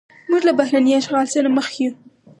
موږ له بهرني اشغال سره مخ یو.